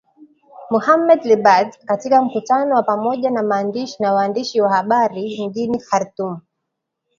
Mohamed Lebatt katika mkutano wa pamoja na waandishi wa habari mjini Khartoum